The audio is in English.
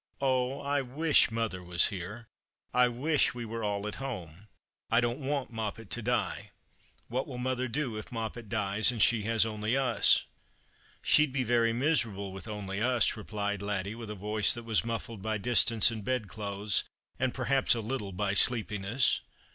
" Oh, I wish mother was here ! I wish we were all at home. I don't want Moppet to die. What will mother do if Moppet dies, and she has only us ?"" She'd be very miserable with only us," replied Laddie, with a Yoice that was muffled by distance and bedclothes, and perhaps a little by sleepiness.